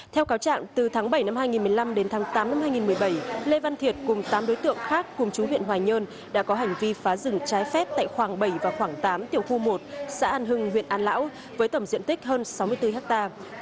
theo cáo trạng từ tháng bảy năm hai nghìn một mươi năm đến tháng tám năm hai nghìn một mươi bảy lê văn thiệt cùng tám đối tượng khác cùng chú huyện hoài nhơn đã có hành vi phá rừng trái phép tại khoảng bảy và khoảng tám tiểu khu một xã an hưng huyện an lão với tổng diện tích hơn sáu mươi bốn hectare